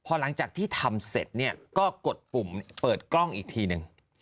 พอหลังจากที่ทำเสร็จเนี่ยก็กดปุ่มเปิดกล้องอีกทีนึง